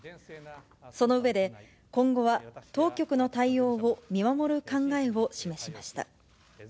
その上で、今後は当局の対応を見守る考えを示しました。